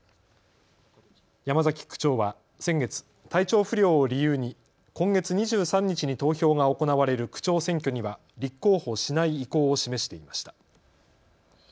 山崎区長は先月、体調不良を理由に今月２３日に投票が行われる区長選挙には立候補しない意向を示していました。